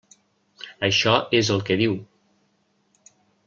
Això és el que diu.